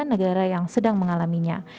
negara yang sedang mengalaminya